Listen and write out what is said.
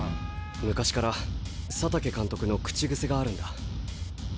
昔から佐竹監督の口癖があるんだ。